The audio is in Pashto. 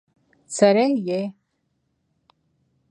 څرې يې؟